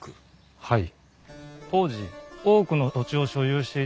はい。